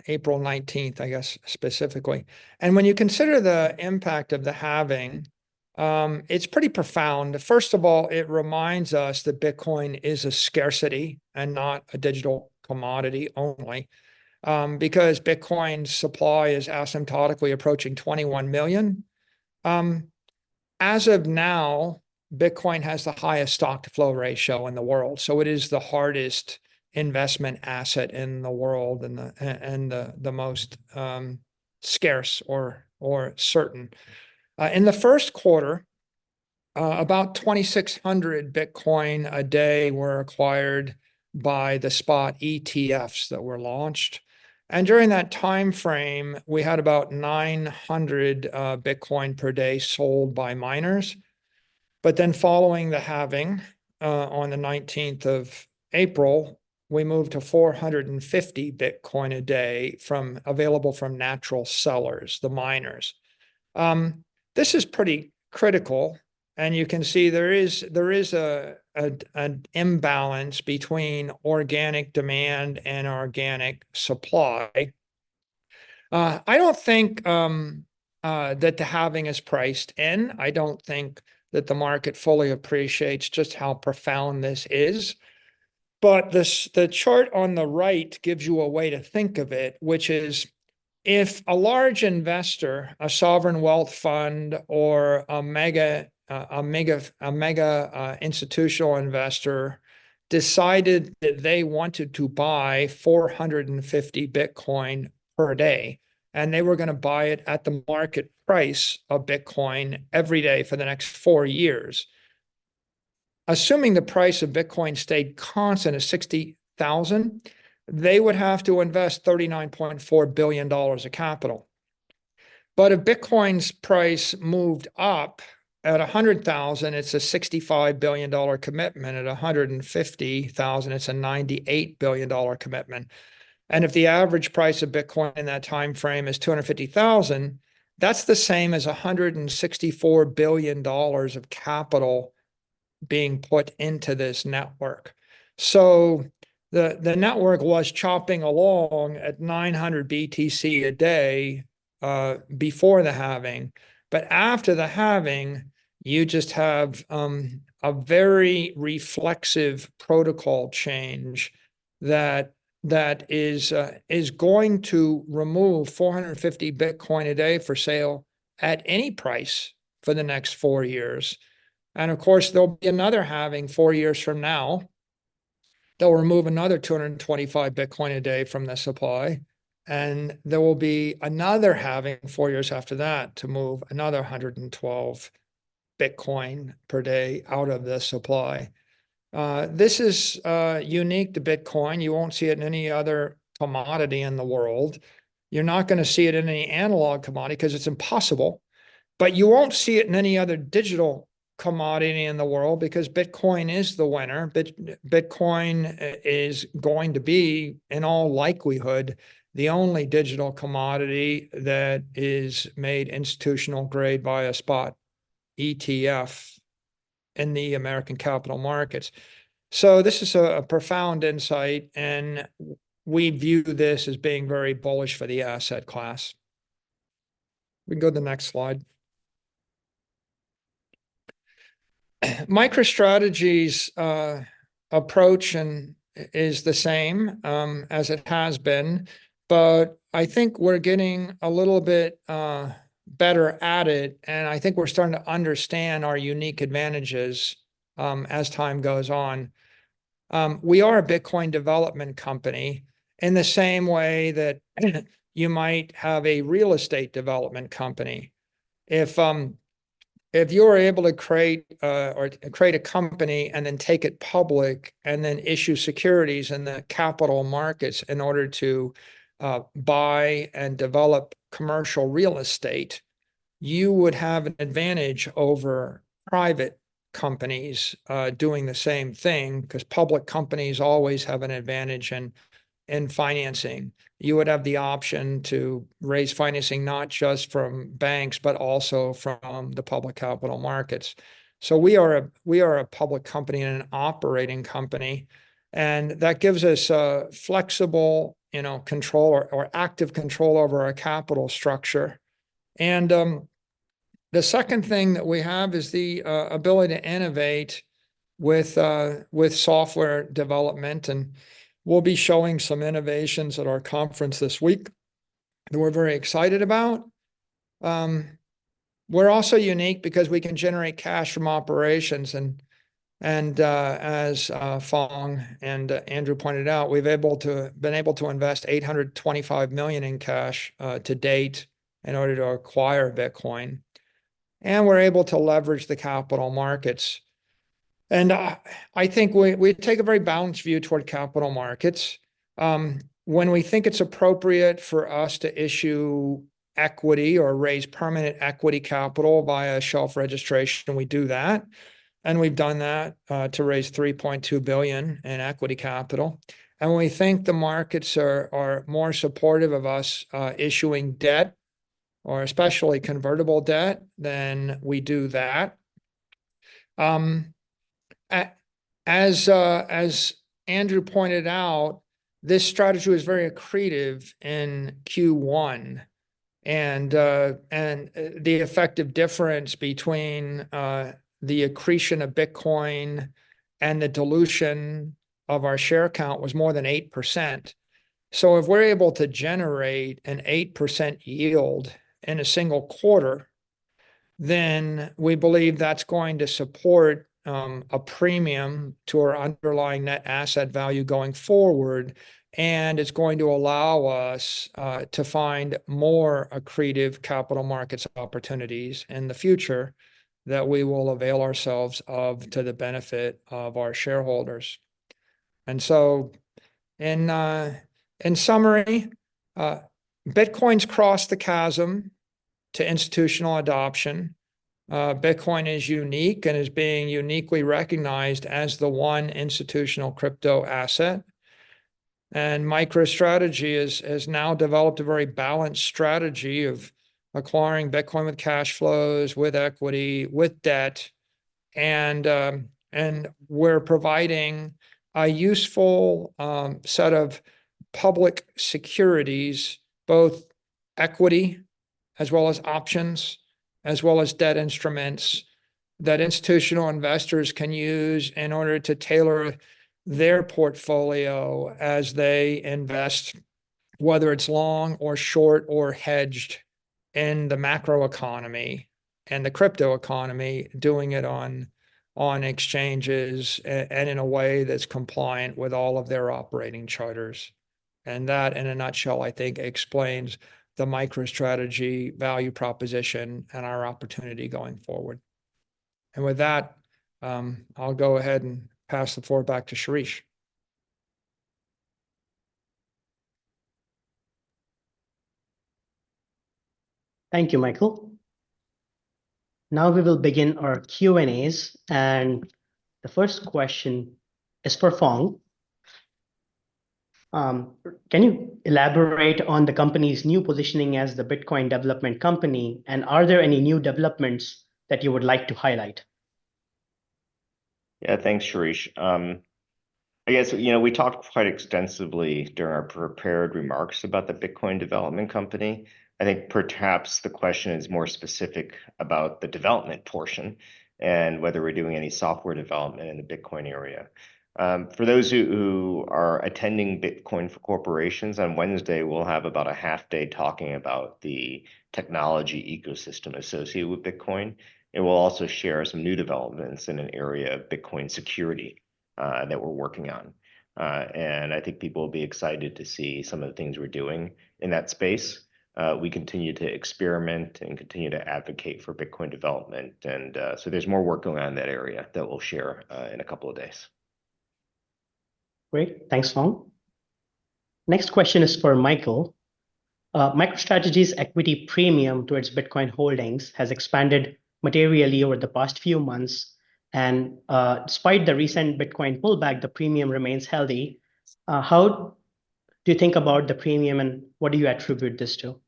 April 19th, I guess, specifically. And when you consider the impact of the halving, it's pretty profound. First of all, it reminds us that Bitcoin is a scarcity and not a digital commodity only, because Bitcoin's supply is asymptotically approaching 21 million. As of now, Bitcoin has the highest stock-to-flow ratio in the world, so it is the hardest investment asset in the world, and the most scarce or certain. In the first quarter, about 2,600 Bitcoin a day were acquired by the spot ETFs that were launched, and during that timeframe, we had about 900 Bitcoin per day sold by miners. But then following the halving, on the April 19th, we moved to 450 Bitcoin a day available from natural sellers, the miners. This is pretty critical, and you can see there is an imbalance between organic demand and organic supply. I don't think that the halving is priced in. I don't think that the market fully appreciates just how profound this is. But the chart on the right gives you a way to think of it, which is, if a large investor, a sovereign wealth fund or a mega institutional investor, decided that they wanted to buy 450 Bitcoin per day, and they were gonna buy it at the market price of Bitcoin every day for the next four years, assuming the price of Bitcoin stayed constant at $60,000, they would have to invest $39.4 billion of capital. But if Bitcoin's price moved up, at $100,000, it's a $65 billion commitment. At $150,000, it's a $98 billion commitment. And if the average price of Bitcoin in that timeframe is $250,000, that's the same as $164 billion of capital being put into this network. So the network was chopping along at 900 BTC a day before the halving. But after the halving, you just have a very reflexive protocol change that is going to remove 450 Bitcoin a day for sale at any price for the next four years. And of course, there'll be another halving four years from now, that'll remove another 225 Bitcoin a day from the supply, and there will be another halving four years after that to move another 112 Bitcoin per day out of the supply. This is unique to Bitcoin. You won't see it in any other commodity in the world. You're not gonna see it in any analog commodity, 'cause it's impossible, but you won't see it in any other digital commodity in the world, because Bitcoin is the winner. Bitcoin is going to be, in all likelihood, the only digital commodity that is made institutional grade by a spot ETF in the American capital markets. So this is a profound insight, and we view this as being very bullish for the asset class. We can go to the next slide. MicroStrategy's approach is the same, as it has been, but I think we're getting a little bit better at it, and I think we're starting to understand our unique advantages, as time goes on. We are a Bitcoin Development Company, in the same way that you might have a real estate development company. If you were able to create a company and then take it public, and then issue securities in the capital markets in order to buy and develop commercial real estate, you would have an advantage over private companies doing the same thing, 'cause public companies always have an advantage in financing. You would have the option to raise financing not just from banks, but also from the public capital markets. So we are a public company and an operating company, and that gives us a flexible, you know, control or active control over our capital structure. The second thing that we have is the ability to innovate with software development, and we'll be showing some innovations at our conference this week that we're very excited about. We're also unique because we can generate cash from operations, and as Phong and Andrew pointed out, we've been able to invest $825 million in cash to date in order to acquire Bitcoin, and we're able to leverage the capital markets. I think we take a very balanced view toward capital markets. When we think it's appropriate for us to issue equity or raise permanent equity capital via shelf registration, we do that, and we've done that to raise $3.2 billion in equity capital. When we think the markets are more supportive of us issuing debt, or especially convertible debt, then we do that. As Andrew pointed out, this strategy was very accretive in Q1, and the effective difference between the accretion of Bitcoin and the dilution of our share count was more than 8%. So if we're able to generate an 8% yield in a single quarter, then we believe that's going to support a premium to our underlying net asset value going forward, and it's going to allow us to find more accretive capital markets opportunities in the future that we will avail ourselves of to the benefit of our shareholders. So in summary, Bitcoin's crossed the chasm to institutional adoption. Bitcoin is unique and is being uniquely recognized as the one institutional crypto asset. MicroStrategy has now developed a very balanced strategy of acquiring Bitcoin with cash flows, with equity, with debt. And we're providing a useful set of public securities, both equity as well as options, as well as debt instruments, that institutional investors can use in order to tailor their portfolio as they invest, whether it's long or short or hedged, in the macroeconomy and the crypto economy, doing it on exchanges and in a way that's compliant with all of their operating charters. And that, in a nutshell, I think explains the MicroStrategy value proposition and our opportunity going forward. And with that, I'll go ahead and pass the floor back to Shirish. Thank you, Michael. Now we will begin our Q&A's, and the first question is for Phong. Can you elaborate on the company's new positioning as the Bitcoin Development Company, and are there any new developments that you would like to highlight? Yeah. Thanks, Shirish. I guess, you know, we talked quite extensively during our prepared remarks about the Bitcoin Development Company. I think perhaps the question is more specific about the development portion and whether we're doing any software development in the Bitcoin area. For those who are attending Bitcoin for Corporations, on Wednesday, we'll have about a half day talking about the technology ecosystem associated with Bitcoin, and we'll also share some new developments in an area of Bitcoin security that we're working on. And I think people will be excited to see some of the things we're doing in that space. We continue to experiment and continue to advocate for Bitcoin development, and so there's more work going on in that area that we'll share in a couple of days. Great. Thanks, Phong. Next question is for Michael. MicroStrategy's equity premium towards Bitcoin holdings has expanded materially over the past few months, and, despite the recent Bitcoin pullback, the premium remains healthy. How do you think about the premium, and what do you attribute this to?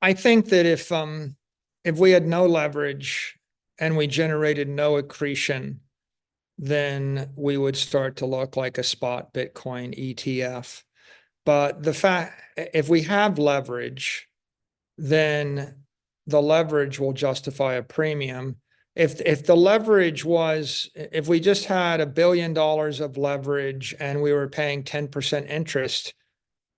I think that if we had no leverage and we generated no accretion, then we would start to look like a spot Bitcoin ETF. But if we have leverage, then the leverage will justify a premium. If the leverage was if we just had $1 billion of leverage and we were paying 10% interest,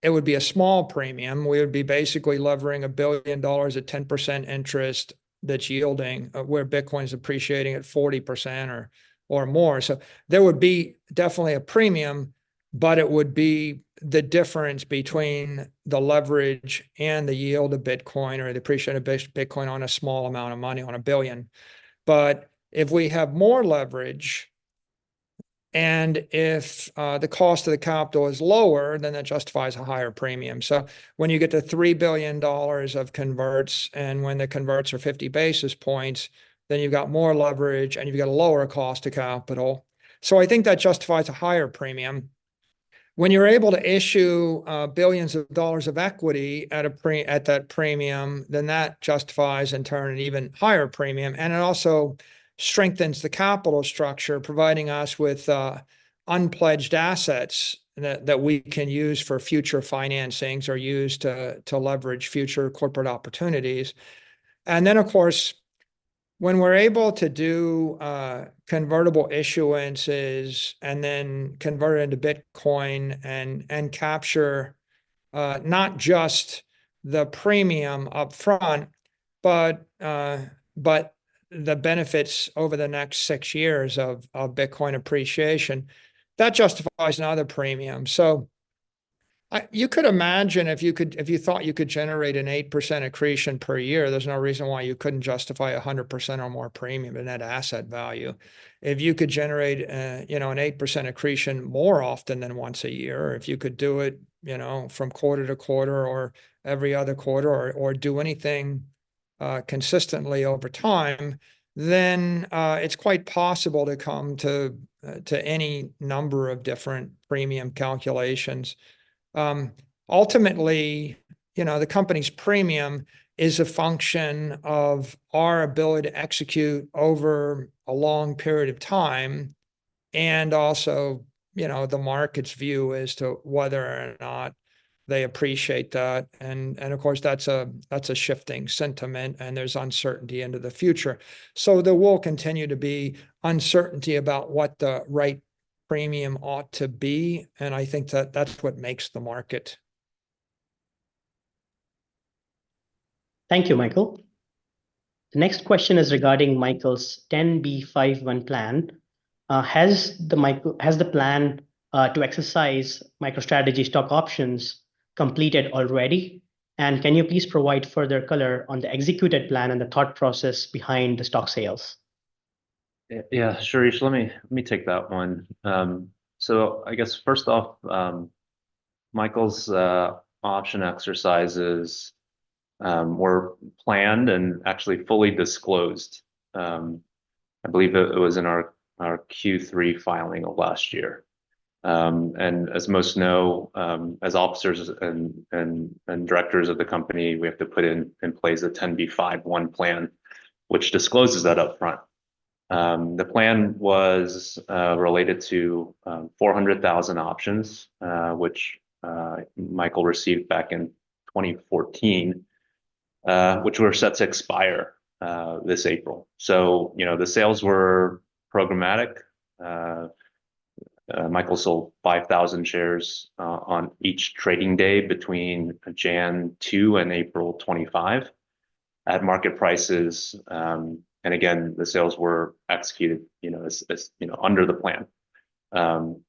it would be a small premium. We would be basically levering $1 billion at 10% interest that's yielding where Bitcoin's appreciating at 40% or more. So there would be definitely a premium, but it would be the difference between the leverage and the yield of Bitcoin or the appreciated Bitcoin on a small amount of money, on a billion. But if we have more leverage, and if the cost of the capital is lower, then that justifies a higher premium. So when you get to $3 billion of converts, and when the converts are 50 basis points, then you've got more leverage, and you've got a lower cost of capital. So I think that justifies a higher premium. When you're able to issue billions of dollars of equity at a premium at that premium, then that justifies, in turn, an even higher premium, and it also strengthens the capital structure, providing us with unpledged assets that we can use for future financings or use to leverage future corporate opportunities. And then, of course, when we're able to do convertible issuances and then convert it into Bitcoin and capture not just the premium upfront, but the benefits over the next six years of Bitcoin appreciation, that justifies another premium. So you could imagine if you thought you could generate an 8% accretion per year, there's no reason why you couldn't justify a 100% or more premium in net asset value. If you could generate, you know, an 8% accretion more often than once a year, or if you could do it, you know, from quarter to quarter, or every other quarter, or do anything consistently over time, then it's quite possible to come to any number of different premium calculations. Ultimately... You know, the company's premium is a function of our ability to execute over a long period of time, and also, you know, the market's view as to whether or not they appreciate that. And of course, that's a shifting sentiment, and there's uncertainty into the future. So there will continue to be uncertainty about what the right premium ought to be, and I think that's what makes the market. Thank you, Michael. The next question is regarding Michael's 10b5-1 plan. Has the plan to exercise MicroStrategy stock options completed already? And can you please provide further color on the executed plan and the thought process behind the stock sales? Yeah, Shirish, let me take that one. So I guess first off, Michael's option exercises were planned and actually fully disclosed. I believe it was in our Q3 filing of last year. And as most know, as officers and directors of the company, we have to put in place a 10b5-1 plan, which discloses that upfront. The plan was related to 400,000 options, which Michael received back in 2014, which were set to expire this April. So, you know, the sales were programmatic. Michael sold 5,000 shares on each trading day between January 2 and April 25 at market prices. And again, the sales were executed, you know, as you know, under the plan.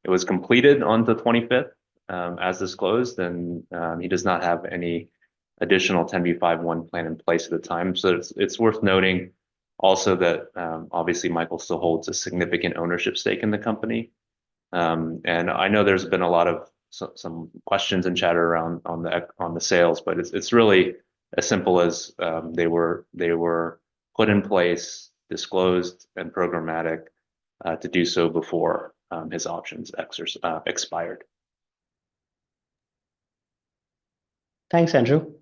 It was completed on the 25th, as disclosed, and he does not have any additional 10b5-1 plan in place at the time. So it's worth noting also that, obviously, Michael still holds a significant ownership stake in the company. And I know there's been a lot of questions and chatter around on the sales, but it's really as simple as, they were put in place, disclosed, and programmatic to do so before his options expired. Thanks, Andrew.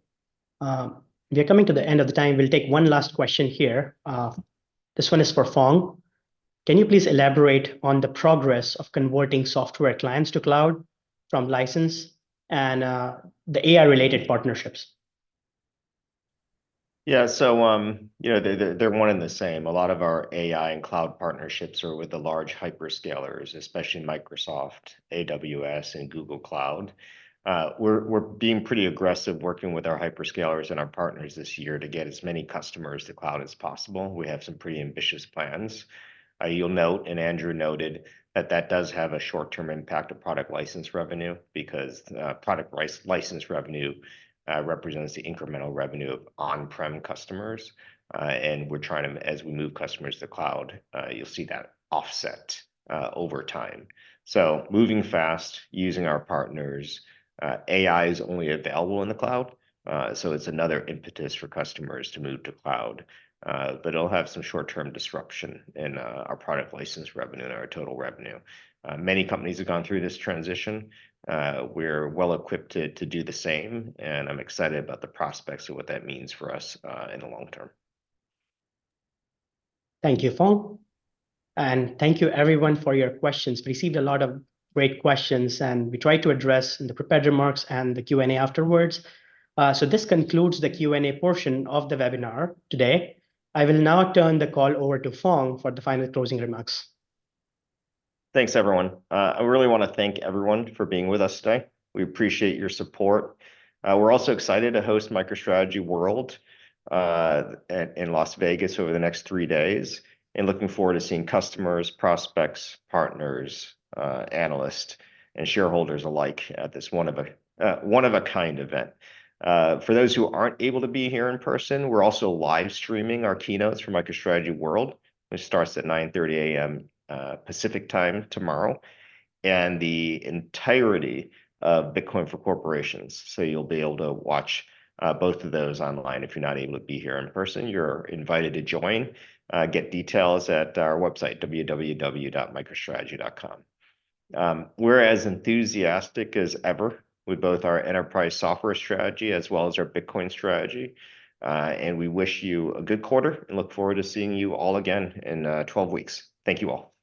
We are coming to the end of the time. We'll take one last question here. This one is for Phong. Can you please elaborate on the progress of converting software clients to cloud from license and the AI-related partnerships? Yeah. So, you know, they're, they're one and the same. A lot of our AI and cloud partnerships are with the large hyperscalers, especially Microsoft, AWS, and Google Cloud. We're, we're being pretty aggressive working with our hyperscalers and our partners this year to get as many customers to cloud as possible. We have some pretty ambitious plans. You'll note, and Andrew noted, that that does have a short-term impact of product license revenue, because product license revenue represents the incremental revenue of on-prem customers. And we're trying to... As we move customers to the cloud, you'll see that offset over time. So moving fast, using our partners. AI is only available in the cloud, so it's another impetus for customers to move to cloud. But it'll have some short-term disruption in our product license revenue and our total revenue. Many companies have gone through this transition. We're well equipped to do the same, and I'm excited about the prospects of what that means for us in the long term. Thank you, Phong. And thank you everyone for your questions. We received a lot of great questions, and we tried to address in the prepared remarks and the Q&A afterwards. So this concludes the Q&A portion of the webinar today. I will now turn the call over to Phong for the final closing remarks. Thanks, everyone. I really wanna thank everyone for being with us today. We appreciate your support. We're also excited to host MicroStrategy World in Las Vegas over the next three days, and looking forward to seeing customers, prospects, partners, analysts, and shareholders alike at this one-of-a-kind event. For those who aren't able to be here in person, we're also live streaming our keynotes for MicroStrategy World, which starts at 9:30 A.M. Pacific Time tomorrow, and the entirety of Bitcoin for Corporations. So you'll be able to watch both of those online. If you're not able to be here in person, you're invited to join. Get details at our website, www.microstrategy.com. We're as enthusiastic as ever with both our enterprise software strategy as well as our Bitcoin strategy. We wish you a good quarter and look forward to seeing you all again in twelve weeks. Thank you all.